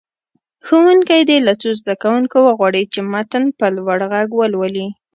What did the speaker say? ښوونکی دې له څو زده کوونکو وغواړي چې متن په لوړ غږ ولولي.